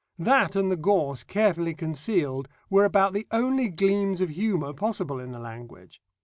That and the gorse carefully concealed were about the only gleams of humour possible in the language.